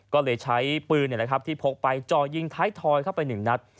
ก็เลยใช้ปืนที่พกไปจ่อยิงท้ายทอยเข้าไป๑นัด